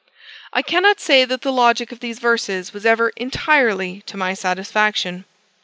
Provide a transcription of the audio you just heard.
I cannot say that the logic of these verses was ever entirely to my satisfaction.